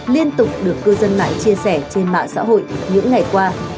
liên tục được cư dân mạng chia sẻ trên mạng xã hội những ngày qua